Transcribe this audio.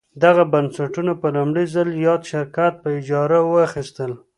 دغه بنسټونه په لومړي ځل یاد شرکت په اجاره واخیستل.